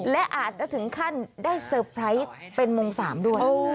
และอาจจะถึงขั้นได้เซอร์ไพรส์เป็นมง๓ด้วย